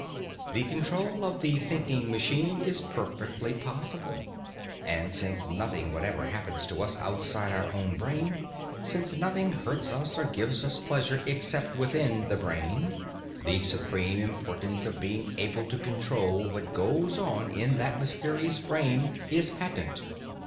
The control of the thinking machine is perfectly possible. And since nothing whatever happens to us outside our own brain; since nothing hurts us or gives us pleasure except within the brain, the supreme importance of being able to control what goes on in that mysterious brain is patent.